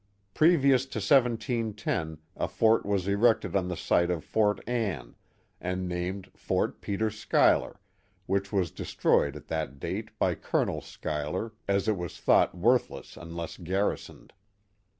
Previous to 1 7 10 a fort was erected on the site of Fort Ann, and named Fort Peter Schuyler, which was destroyed at that date by Colonel Schuyler, as it was thought worthless unless garrisoned.